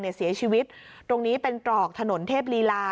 เสียชีวิตตรงนี้เป็นตรอกถนนเทพลีลา